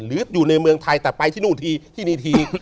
หรืออยู่ในเมืองไทยแต่ไปที่นู่นทีที่นี่ที